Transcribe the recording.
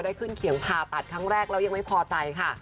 ขึ้นเขียงผ่าตัดครั้งแรกแล้วยังไม่พอใจค่ะ